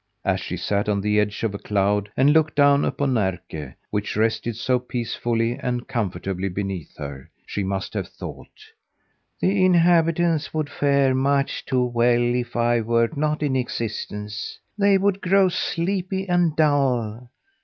As she sat on the edge of a cloud and looked down upon Närke, which rested so peacefully and comfortably beneath her, she must have thought: "The inhabitants would fare much too well if I were not in existence. They would grow sleepy and dull.